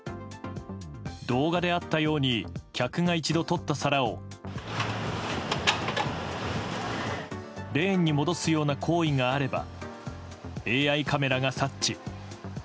動画であったように客が一度取った皿をレーンに戻すような行為があればＡＩカメラが察知。